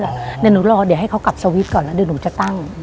เดี๋ยวหนูรอเดี๋ยวให้เขากลับสวิตช์ก่อนแล้วเดี๋ยวหนูจะตั้ง